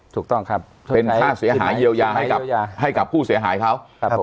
ถูกต้องครับเป็นค่าเสียหายเยียวยาให้กับผู้เสียหายเขา